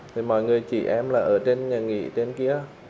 thì mọi người chị em là ở trên nhà nghỉ trên kia